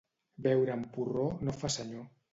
Beure amb porró no fa senyor.